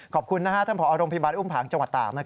ขอบคุณนะฮะท่านผอโรงพยาบาลอุ้มผางจังหวัดต่างนะครับ